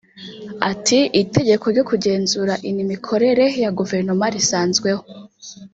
Ati “ Itegeko ryo kugenzura inmikorere ya Guverinoma risanzweho